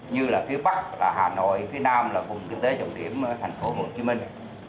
như là phía bắc là hà nội phía nam là vùng kinh tế trọng điểm thành phố hồ chí minh